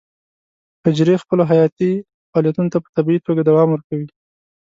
حجرې خپلو حیاتي فعالیتونو ته په طبیعي توګه دوام ورکوي.